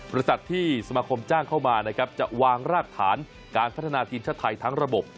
ประสัตว์ที่สมาคมจ้างเข้ามาจะวางราบฐานการพัฒนาทีมชาติไทยทั้งระบบ